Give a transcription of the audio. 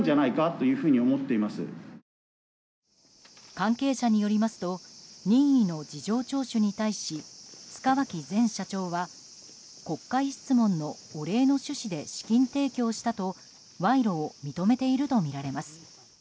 関係者によりますと任意の事情聴取に対し塚脇前社長は国会質問のお礼の趣旨で資金提供したと賄賂を認めているとみられます。